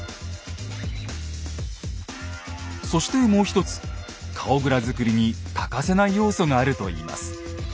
そしてもう一つ顔グラ作りに欠かせない要素があるといいます。